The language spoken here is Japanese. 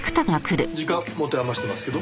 時間持て余してますけど。